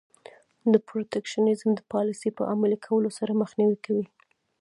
د protectionism د پالیسۍ په عملي کولو سره مخنیوی کوي.